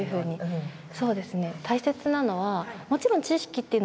そうですね。